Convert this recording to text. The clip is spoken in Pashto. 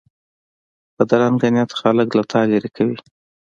بدرنګه نیت خلک له تا لرې کوي